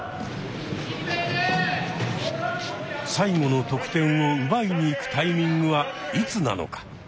最後の得点を奪いに行くタイミングはいつなのか。